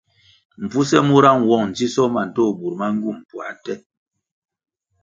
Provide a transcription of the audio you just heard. Mpfuse mura nwong ndzisoh ma ndtoh bur ma ngywum puā nte.